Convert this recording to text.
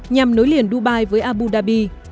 nhằm nối liền dubai với abu dhabi